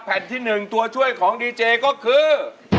ที่๑ตัวช่วยของดีเจก็คือ